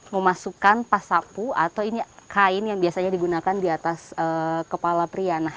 memasukkan pasapu atau kain yang biasanya digunakan di atas kepala pria